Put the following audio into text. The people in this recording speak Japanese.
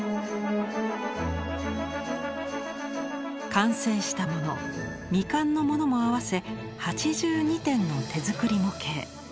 完成したもの未完のものも合わせ８２点の手作り模型。